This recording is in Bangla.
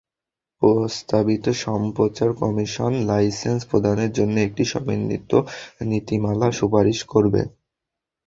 প্রস্তাবিত সম্প্রচার কমিশন লাইসেন্স প্রদানের জন্য একটি সমন্বিত নীতিমালা সুপারিশ করবে।